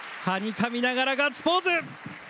はにかみながらガッツポーズ！